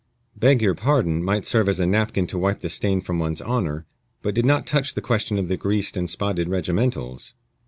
"Beg your pardon" might serve as a napkin to wipe the stain from one's honor, but did not touch the question of the greased and spotted regimentals.